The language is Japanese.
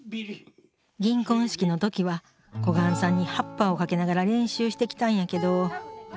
銀婚式の時は小雁さんにはっぱをかけながら練習してきたんやけど。